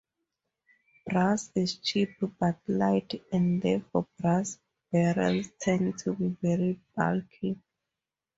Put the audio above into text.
Brass is cheap but light and therefore brass barrels tend to be very bulky.